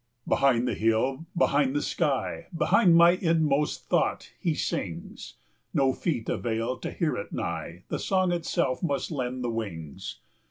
Behind the hill, behind the sky, 25 Behind my inmost thought, he sings; No feet avail; to hear it nigh, The song itself must lend the wings.